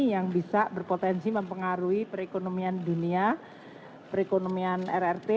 yang bisa berpotensi mempengaruhi perekonomian dunia perekonomian rrt